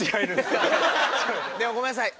でもごめんなさい。